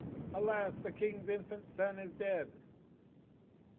Alas! the king's infant son is dead."